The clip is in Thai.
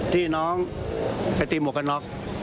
ที่น้องไปตีหมวกกันน็อก